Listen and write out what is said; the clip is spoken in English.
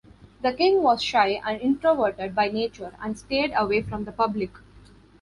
The king was shy and introverted by nature, and stayed away from the public.